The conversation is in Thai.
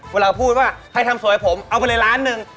เวลาพูดว่าใครทำสวยผมเอาไปเลยล้านหนึ่ง